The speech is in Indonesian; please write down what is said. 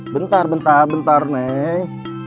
bentar bentar bentar neng